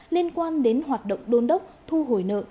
liên quan đến hoạt động đôn đốc thu hồi nợ